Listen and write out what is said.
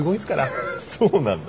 ハハそうなんだ。